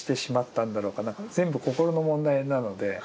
全部心の問題なので。